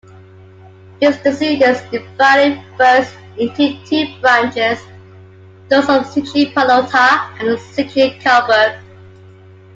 His descendants divided, first into two branches: those of Zichy-Palota and Zichy-Karlburg.